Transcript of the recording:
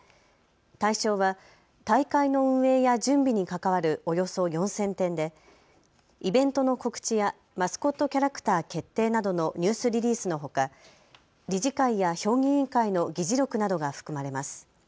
対象は大会の運営や準備に関わるおよそ４０００点でイベントの告知やマスコットキャラクター決定などのニュースリリースのほか理事会や評議員会の議事録などが含まれます。